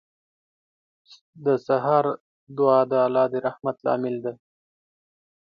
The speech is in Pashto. • د سهار دعا د الله د رحمت لامل دی.